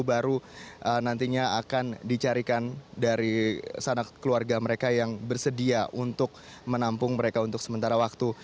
baru nantinya akan dicarikan dari sana keluarga mereka yang bersedia untuk menampung mereka untuk sementara waktu